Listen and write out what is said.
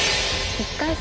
１回戦